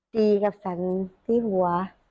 ตีกับฝันที่หัว